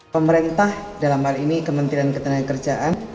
pemerintah dalam hal ini kementerian ketenagakerjaan